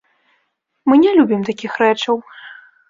Мы не любім такіх рэчаў.